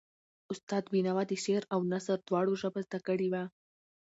استاد بینوا د شعر او نثر دواړو ژبه زده کړې وه.